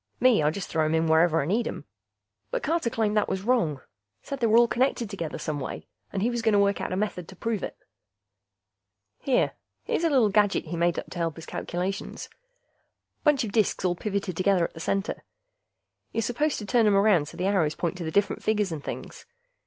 Me, I just throw 'em in wherever I need 'em. But Carter claimed that was wrong. Said they were all connected together some way, and he was gonna work out a method to prove it. Here ... here's a little gadget he made up to help his calculations. Bunch of disks all pivoted together at the center; you're supposed to turn 'em around so the arrows point to the different figures and things.